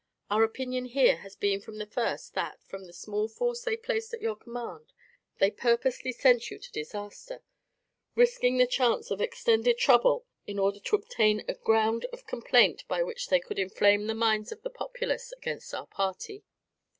Our opinion here has been from the first that, from the small force they placed at your command, they purposely sent you to disaster, risking the chance of extended trouble in order to obtain a ground of complaint by which they could inflame the minds of the populace against our party.